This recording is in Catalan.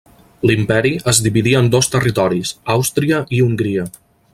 L'Imperi es dividí en dos territoris, Àustria i Hongria.